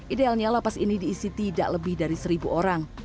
idealnya lapas ini diisi tidak lebih dari seribu orang